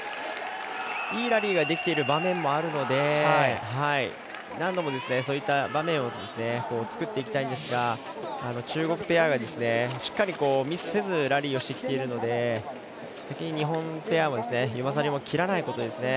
いいラリーができている場面もあるので何度もそういった場面を作っていきたいんですが中国ペアがしっかり、ミスせずラリーをしてきているので先に日本ペア、ユマサリも切らないことですね。